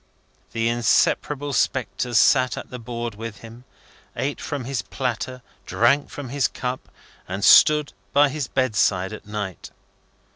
The inseparable spectres sat at the board with him, ate from his platter, drank from his cup, and stood by his bedside at night.